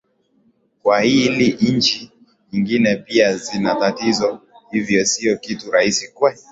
kwa hili nchi nyingine pia zina tatizo hivyo sio kitu rahisi kwe